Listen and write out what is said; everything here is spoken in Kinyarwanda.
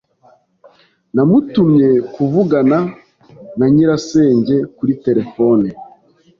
Namutumye kuvugana na nyirasenge kuri terefone.